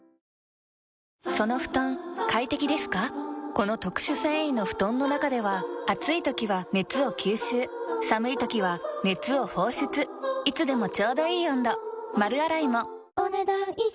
この特殊繊維の布団の中では暑い時は熱を吸収寒い時は熱を放出いつでもちょうどいい温度丸洗いもお、ねだん以上。